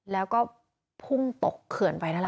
แล้วก็พุ่งตกเขื่อนไปนั่นแหละ